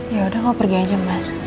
yaudah kau pergi aja mas